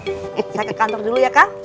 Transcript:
eh saya ke kantor dulu ya kak